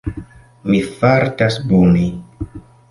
Mi fartas bone